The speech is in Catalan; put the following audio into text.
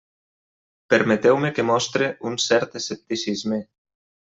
Permeteu-me que mostre un cert escepticisme.